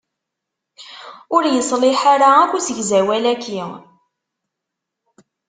Ur yeṣliḥ ara akk usegzawal-aki.